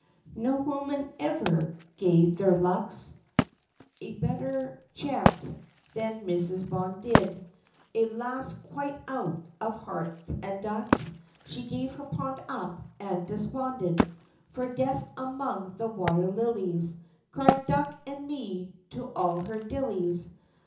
No woman ever gave their lucks A better chance than Mrs. Bond did; At last quite out of heart and ducks, She gave her pond up, and desponded; For Death among the water lilies, Cried "Duc ad me" to all her dillies!